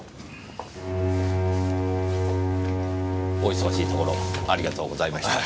お忙しいところありがとうございました。